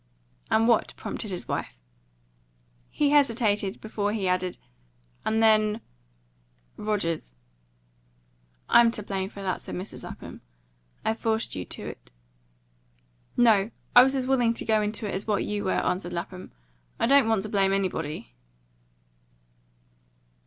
"And what?" prompted his wife. He hesitated before he added, "And then Rogers." "I'm to blame for that," said Mrs. Lapham. "I forced you to it." "No; I was as willing to go into it as what you were," answered Lapham. "I don't want to blame anybody."